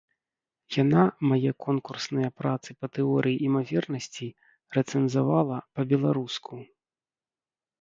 Яна мае конкурсныя працы па тэорыі імавернасці рэцэнзавала па-беларуску.